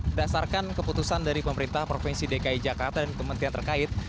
berdasarkan keputusan dari pemerintah provinsi dki jakarta dan kementerian terkait